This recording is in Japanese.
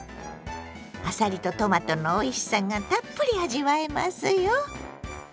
あさりとトマトのおいしさがたっぷり味わえますよ。